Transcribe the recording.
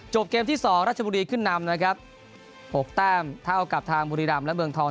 เกมที่๒รัชบุรีขึ้นนำนะครับ๖แต้มเท่ากับทางบุรีรำและเมืองทอง